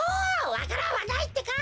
わか蘭はないってか！